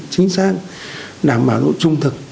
chính xác đảm bảo đủ trung thực